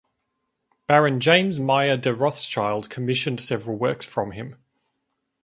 Baron James Mayer de Rothschild commissioned several works from him.